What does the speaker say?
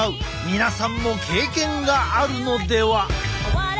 皆さんも経験があるのでは？